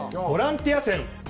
ボランティア線。